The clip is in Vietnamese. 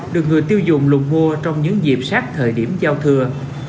được người tiêu dùng lùng mua trong những dịp sát thời điểm giao thừa